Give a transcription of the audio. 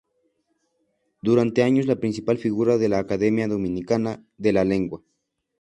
Durante años la principal figura de la Academia Dominicana de la Lengua.